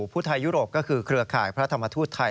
ผู้ไทยยุโรปก็คือเครือข่ายพระธรรมทูตไทย